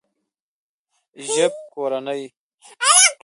ژبکورنۍ